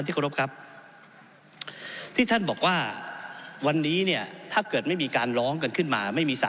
ในการปฏิบัติหน้าที่เนี่ยเขาสงหวนสิทธิ์ในกรณีที่มีปัญหา